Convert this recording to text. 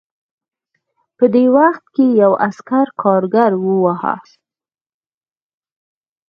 په دې وخت کې یو عسکر کارګر وواهه